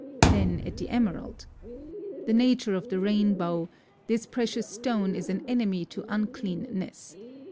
—Then at the emerald.—"The natur of the reyn bowe; this precious stone is an enemye to uncleanness.